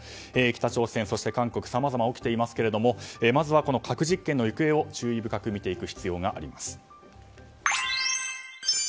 北朝鮮、そして韓国さまざま起きていますがまずは核実験の行方を注意深く見ていく必要があります。